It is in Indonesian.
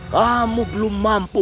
kamu belum mampu